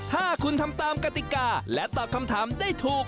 ถ้าคุณทำตามกติกาและตอบคำถามได้ถูก